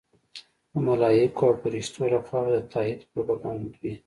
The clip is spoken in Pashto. د ملایکو او فرښتو لخوا به د تایید پروپاګند وي.